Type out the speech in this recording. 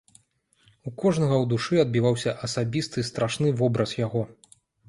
У кожнага ў душы адбіваўся асабісты страшны вобраз яго.